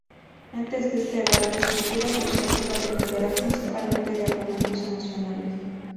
Antes de esta edad, la escritura persuasiva dependerá principalmente de argumentos emocionales.